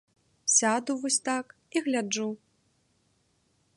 Сяду вось так і гляджу!